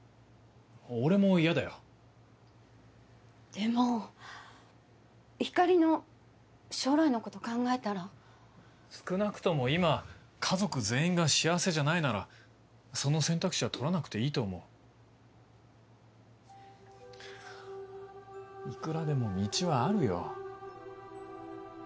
俺も嫌だよでも光莉の将来のこと考えたら少なくとも今家族全員が幸せじゃないならその選択肢は取らなくていいと思ういくらでも道はあるよ